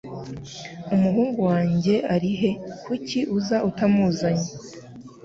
umuhungu wanjye ari he Kuki uza utamufite